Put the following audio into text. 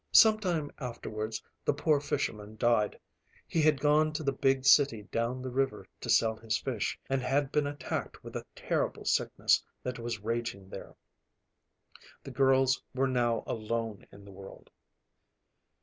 Some time afterwards the poor fisherman died. He had gone to the big city down the river to sell his fish, and had been attacked with a terrible sickness that was raging there. The girls were now alone in the world.